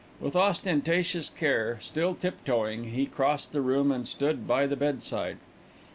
With ostentatious care, still tiptoeing, he crossed the room and stood by the bedside.